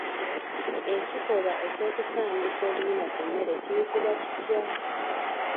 Ekikolwa eky'okusaaniika oluyina ku mmere kiyitibwa kitya?